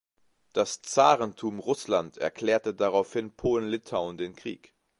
Das Zarentum Russland erklärte daraufhin Polen-Litauen den Krieg.